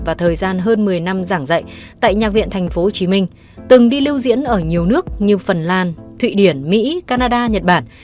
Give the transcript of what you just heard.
và thời gian hơn một mươi năm giảng dạy tại nhạc viện tp hcm từng đi lưu diễn ở nhiều nước như phần lan thụy điển mỹ canada nhật bản